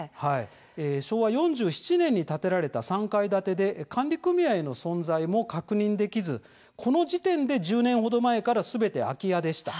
昭和４７年に建てられた３階建てで管理組合の存在も確認できずこの時点で１０年程前からすべて空き部屋でした。